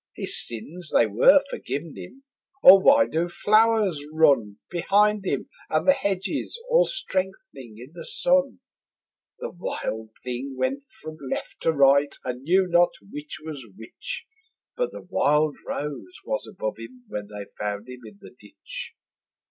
His sins they were forgiven him; or why do flowers run Behind him; and the hedges all strengthening in the sun? The wild thing went from left to right and knew not which was which, But the wild rose was above him when they found him in the ditch.